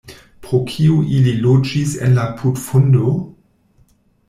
"Pro kio ili loĝis en la putfundo?"